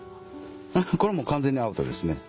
これはもう完全にアウトですね。